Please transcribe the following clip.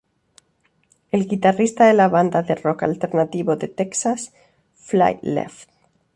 Es Guitarrista de la banda de rock alternativo de Texas, Flyleaf.